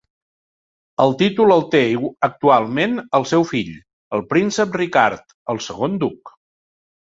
El títol el té actualment el seu fill, el príncep Ricard, el segon duc.